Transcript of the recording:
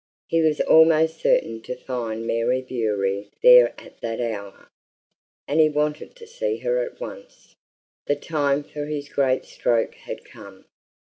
He was almost certain to find Mary Bewery there at that hour, and he wanted to see her at once. The time for his great stroke had come.